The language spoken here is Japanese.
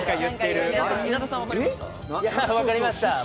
分かりました。